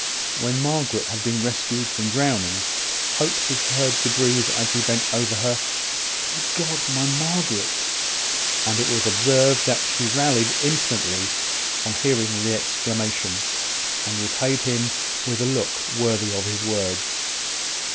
When Margaret had been rescued from drowning, Hope was heard to breathe, as he bent over her, "Oh God! my Margaret!" and it was observed that she rallied instantly on hearing the exclamation, and repaid him with a look worthy of his words.